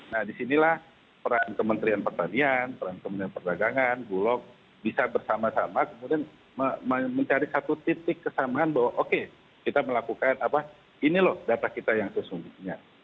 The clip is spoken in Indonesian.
nah disinilah peran kementerian pertanian peran kementerian perdagangan bulog bisa bersama sama kemudian mencari satu titik kesamaan bahwa oke kita melakukan apa ini loh data kita yang sesungguhnya